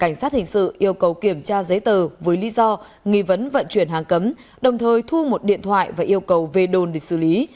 cảnh sát hình sự yêu cầu kiểm tra giấy tờ với lý do nghi vấn vận chuyển hàng cấm đồng thời thu một điện thoại và yêu cầu về đồn để xử lý